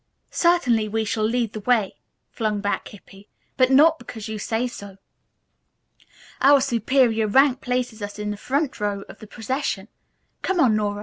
"Certainly we shall lead the way," flung back Hippy, "but not because you say so. Our superior rank places us in the front row of the procession. Come on, Nora.